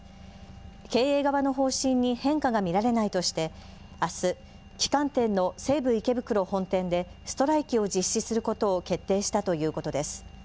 経営側の方針に変化が見られないとしてあす旗艦店の西武池袋本店でストライキを実施することを決定したということです。